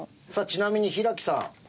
ちなみに平木さん